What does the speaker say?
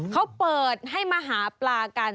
เขาเปิดให้มาหาปลากัน